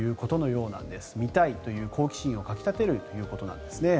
見たいという好奇心をかき立てるということなんですね。